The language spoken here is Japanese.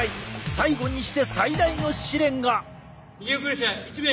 最後にして最大の試練が！